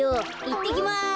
いってきます。